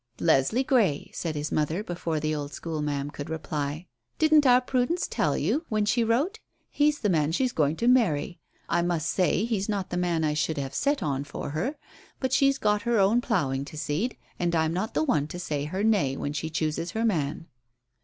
"Leslie Grey," said his mother, before the old school ma'am could reply. "Didn't our Prudence tell you when she wrote? He's the man she's going to marry. I must say he's not the man I should have set on for her; but she's got her own ploughing to seed, and I'm not the one to say her 'nay' when she chooses her man."